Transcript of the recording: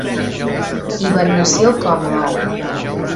Hibernació com a ou.